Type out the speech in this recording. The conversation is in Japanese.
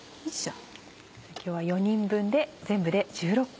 今日は４人分で全部で１６個。